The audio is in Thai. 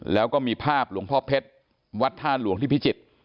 แล้วก็มีภาพหลวงพ่อเพชรวัดท่าหลวงที่พิจิตร